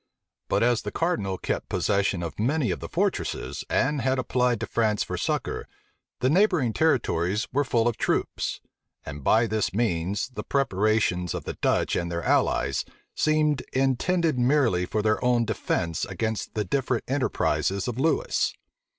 But as the cardinal kept possession of many of the fortresses, and had applied to France for succor, the neighboring territories were full of troops; and by this means the preparations of the Dutch and their allies seemed intended merely for their own defence against the different enterprises of Lewis.